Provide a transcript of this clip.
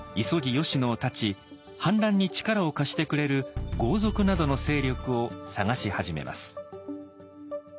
急ぎ吉野をたち反乱に力を貸してくれる豪族などの勢力を探し始めます。